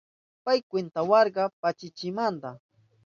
Pay kwintawarka pachachimanta